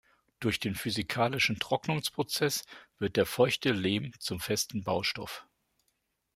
Durch den physikalischen Trocknungsprozess wird der feuchte Lehm zum festen Baustoff.